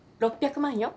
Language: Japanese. ６００万よ。